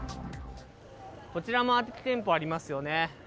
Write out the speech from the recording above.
こちらも空き店舗ありますよね。